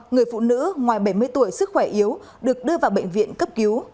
người phụ nữ ngoài bảy mươi tuổi sức khỏe yếu được đưa vào bệnh viện cấp cứu